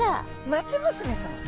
町娘さま。